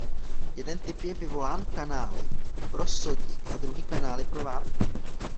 Jeden typ je vyvolán kanály pro sodík a druhý kanály pro vápník.